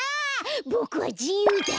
ボクはじゆうだ！